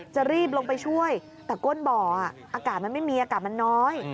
จะรีบลงไปช่วยแต่ก้นบ่ออากาศมันไม่มีอากาศมันน้อย